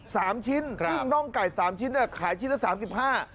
สามชิ้นครับยิ่งน่องไก่สามชิ้นอ่ะขายชิ้นละสามสิบห้า